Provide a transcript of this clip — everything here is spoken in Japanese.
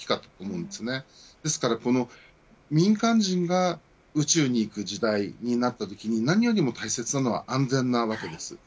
なので、民間人が宇宙に行く時代になったときに何よりも大切なのは安全です。